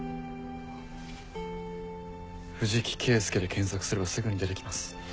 「藤木圭介」で検索すればすぐに出て来ます。